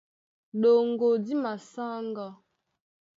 Ɗoŋgo dí masáŋga.